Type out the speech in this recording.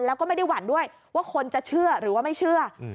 แล้วก็ไม่ได้หวั่นด้วยว่าคนจะเชื่อหรือว่าไม่เชื่อ